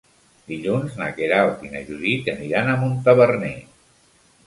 Dilluns na Queralt i na Judit aniran a Montaverner.